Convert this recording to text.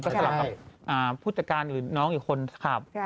สลับกับผู้จัดการหรือน้องหรือคนขับ